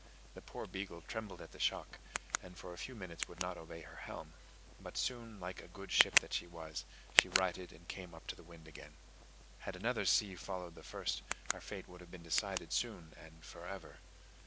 The poor Beagle trembled at the shock, and for a few minutes would not obey her helm; but soon, like a good ship that she was, she righted and came up to the wind again. Had another sea followed the first, our fate would have been decided soon, and for ever.